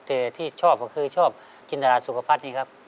แต่ที่ชอบก็คือชอบจินดาราสุภัทรนี่ครับ